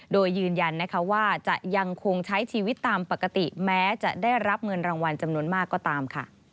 โดยยืนยันว่าจะยังคงใช้ชีวิตตามปกติแม้จะได้รับเงินรางวัลจำนวนมากก็ตามค่ะ